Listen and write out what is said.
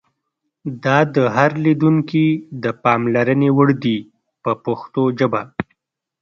دا د هر لیدونکي د پاملرنې وړ دي په پښتو ژبه.